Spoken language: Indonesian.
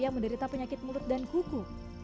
yang menderita penyakit mulut dan kuku